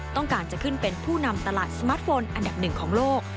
ต้องการจะขึ้นเป็นผู้นำตลาดสมาร์ทโฟนอันดับหนึ่งของโลก